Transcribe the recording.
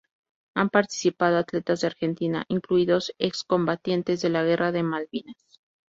Han participado atletas de Argentina, incluidos excombatientes de la guerra de las Malvinas.